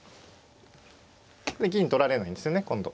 銀取られないんですよね今度。